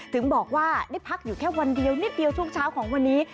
ถึงบอกว่าได้พักอยู่แค่วันเดียวนิดเดียวช่วงเช้าของวันนี้